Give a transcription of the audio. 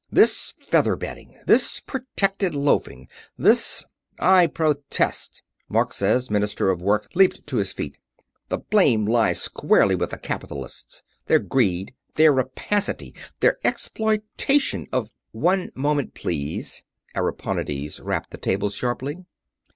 This feather bedding, this protected loafing, this...." "I protest!" Marxes, Minister of Work, leaped to his feet. "The blame lies squarely with the capitalists. Their greed, their rapacity, their exploitation of...." "One moment, please!" Ariponides rapped the table sharply.